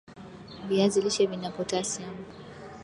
viazi lishe vina potasiam